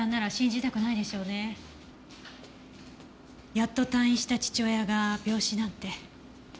やっと退院した父親が病死なんて。